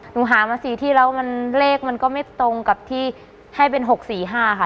หนูหามา๔ที่แล้วมันเลขมันก็ไม่ตรงกับที่ให้เป็น๖๔๕ค่ะ